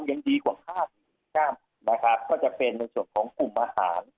ยังดีกว่าคาดนะครับก็จะเป็นในส่วนของกลุ่มอาหาร